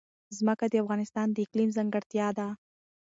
ځمکه د افغانستان د اقلیم ځانګړتیا ده.